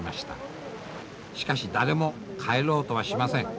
しかし誰も帰ろうとはしません。